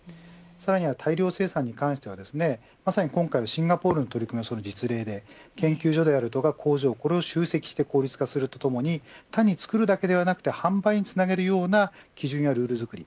さらには大量生産に関してはまさに今回シンガポールの取り組みが実例で研究所である工場を収益化するということで単に作るだけではなく販売につなげるような基準やルール作り